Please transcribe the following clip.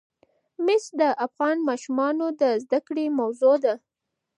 مس د افغان ماشومانو د زده کړې موضوع ده.